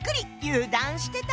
油断してた！